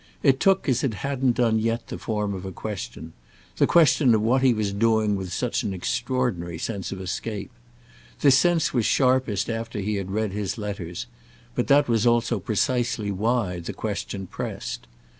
It took as it hadn't done yet the form of a question—the question of what he was doing with such an extraordinary sense of escape. This sense was sharpest after he had read his letters, but that was also precisely why the question pressed.